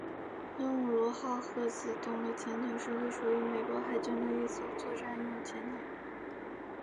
鹦鹉螺号核子动力潜艇是隶属于美国海军的一艘作战用潜水艇。